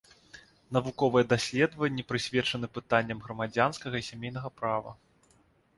Навуковыя даследванні прысвечаны пытанням грамадзянскага і сямейнага права.